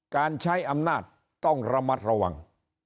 การใช้อำนาจต้องระมัดระวัง